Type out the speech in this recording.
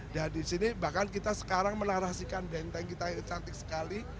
dan di sini bahkan kita sekarang menarasikan benteng kita yang cantik sekali